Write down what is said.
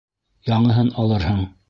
Яңыһын алырһың!